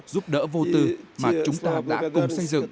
giúp đỡ vô tư mà chúng ta đã cùng xây dựng